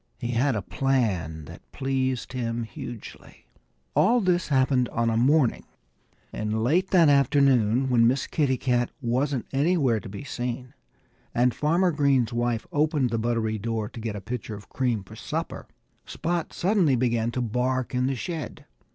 He had a plan that pleased him hugely. All this happened on a morning. And late that afternoon when Miss Kitty Cat wasn't anywhere to be seen, and Farmer Green's wife opened the buttery door to get a pitcher of cream for supper, Spot suddenly began to bark in the shed.